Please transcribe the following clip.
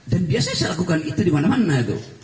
dan biasanya saya lakukan itu di mana mana